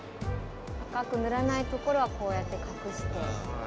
赤く塗らないところはこうやって隠して。